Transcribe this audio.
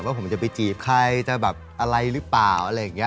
ว่าผมจะไปจีบใครจะแบบอะไรหรือเปล่าอะไรอย่างนี้